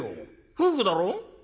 夫婦だろ？」。